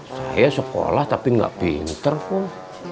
saya sekolah tapi gak pinter kum